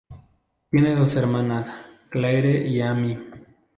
Tiene dos hermanas, Claire y Amy.